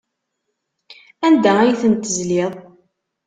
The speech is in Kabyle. Anda ay tent-tezliḍ?